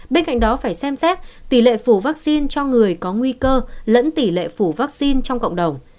bên cạnh đó phải xem xét tỷ lệ phủ vaccine cho người có nguy cơ lẫn tỷ lệ phủ vaccine trong cộng đồng